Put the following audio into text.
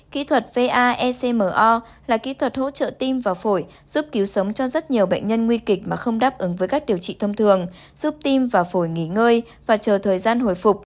kỹ thuật vaecmo là kỹ thuật hỗ trợ tim và phổi giúp cứu sống cho rất nhiều bệnh nhân nguy kịch mà không đáp ứng với cách điều trị thông thường giúp tim và phổi nghỉ ngơi và chờ thời gian hồi phục